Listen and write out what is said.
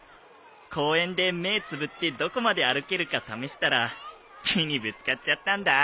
公園で目つぶってどこまで歩けるか試したら木にぶつかっちゃったんだ。